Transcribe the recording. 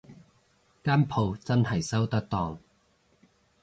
間舖真係收得檔